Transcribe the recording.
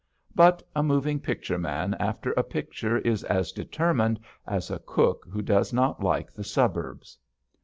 But a moving picture man after a picture is as determined as a cook who does not like the suburbs.